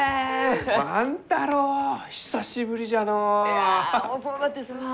いや遅うなってすまん。